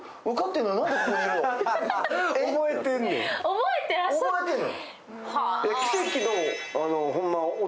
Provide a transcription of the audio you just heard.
覚えてるの。